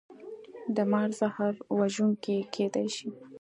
د مار زهر وژونکي کیدی شي